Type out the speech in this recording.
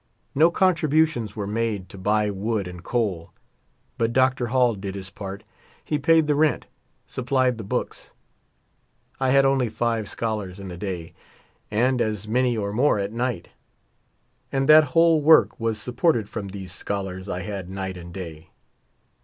No contributions were made to buy wood and coal. But Dr. Hall did his part ; he paid the rent, supplied the books. T had only five scholars in the day and as many or more at night. And that whole work was supported from these scholars I had night and day.